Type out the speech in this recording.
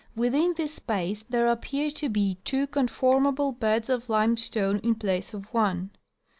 Within this space there appear to be two conform able beds of limestone in place of one.